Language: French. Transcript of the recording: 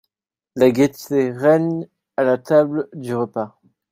La gaîté règne à la table du repas.